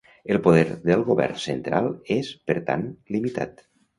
El poder del govern central és, per tant, limitat.